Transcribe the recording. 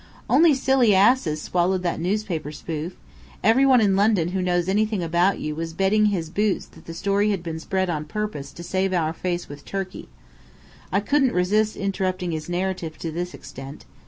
"Only silly asses swallowed that newspaper spoof! Every one in London who knows anything about you was betting his boots that the story had been spread on purpose to save our face with Turkey." I couldn't resist interrupting his narrative to this extent.